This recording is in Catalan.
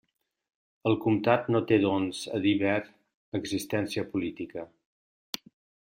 El comtat no té, doncs, a dir ver, existència política.